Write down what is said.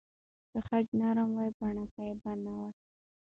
که خج نرم وای، بڼکه به نه وای.